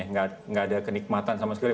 nggak ada kenikmatan sama sekali